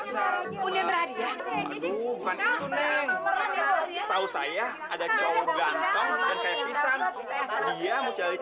ya udah deh kalau aku juga mau beli satu